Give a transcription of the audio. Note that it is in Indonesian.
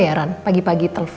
terima kasih allah